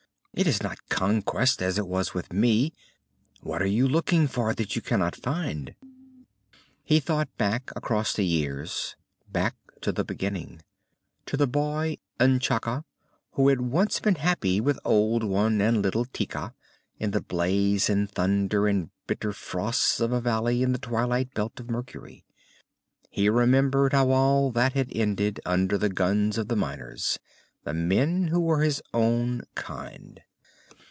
It is not conquest, as it was with me. What are you looking for that you cannot find?" He thought back across the years, back to the beginning to the boy N'Chaka who had once been happy with Old One and little Tika, in the blaze and thunder and bitter frosts of a valley in the Twilight Belt of Mercury. He remembered how all that had ended, under the guns of the miners the men who were his own kind.